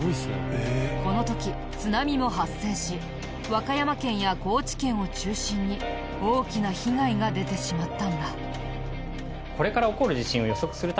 この時津波も発生し和歌山県や高知県を中心に大きな被害が出てしまったんだ。